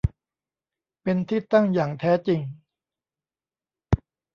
เป็นที่ตั้งอย่างแท้จริง